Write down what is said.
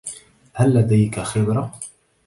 هل لديك خبرة؟